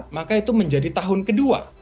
maka itu menjadi tahun kedua